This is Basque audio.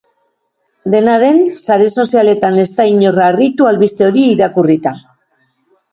Dena den, sare sozialetan ez da inor harritu albiste hori irakurrita.